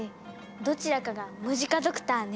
どちらかがムジカドクターね。